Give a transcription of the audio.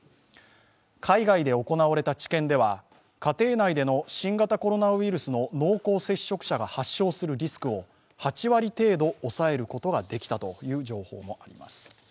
海外で行われた治験では家庭内での新型コロナウイルスの濃厚接触者が発症するリスクを８割程度抑えることができたという情報もあります。